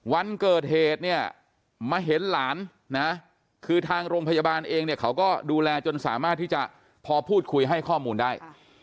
วันเกิดเหตุเนี่ยมาเห็นหลานนะคือทางโรงพยาบาลเองเนี่ยเขาก็ดูแลจนสามารถที่จะพอพูดคุยให้ข้อมูลได้